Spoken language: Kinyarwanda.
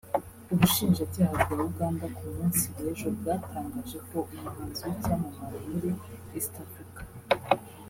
ubushinjacyaha bwa Uganda ku munsi w’ejo bwatangaje ko umuhanzi w’icyamamare muri East Africa